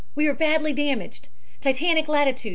We are badly damaged. Titanic latitude 41.